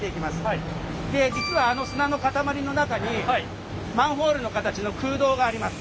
で実はあの砂の塊の中にマンホールの形の空洞があります。